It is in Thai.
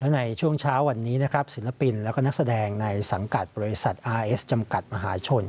ในช่วงเช้าวันนี้นะครับศิลปินและนักแสดงในสังกัดบริษัทอาร์เอสจำกัดมหาชน